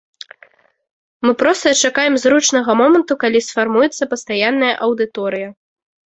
Мы проста чакаем зручнага моманту, калі сфармуецца пастаянная аўдыторыя.